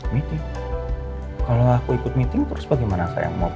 meeting deling disitu bagaimana saya mau